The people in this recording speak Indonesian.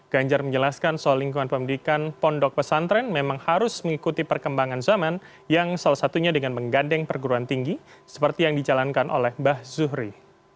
ganjar menjelaskan soal lingkungan pendidikan pondok pesantren memang harus mengikuti perkembangan zaman yang salah satunya dengan menggandeng perguruan tinggi seperti yang dijalankan oleh mbah zuhri